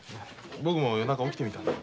僕も夜中起きてみたんだ。